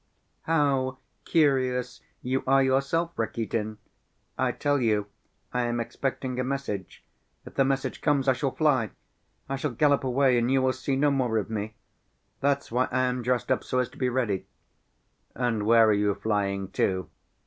"How curious you are yourself, Rakitin! I tell you, I am expecting a message. If the message comes, I shall fly, I shall gallop away and you will see no more of me. That's why I am dressed up, so as to be ready." "And where are you flying to?"